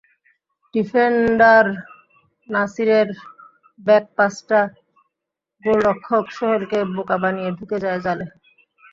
Defender নাসিরের back পাসটা গোলরক্ষক সোহেলকে বোকা বানিয়ে ঢুকে যায় জালে।